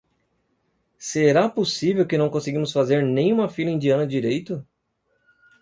Será possível que não conseguimos fazer nem uma fila indiana direito?